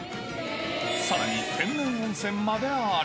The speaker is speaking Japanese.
さらに天然温泉まである。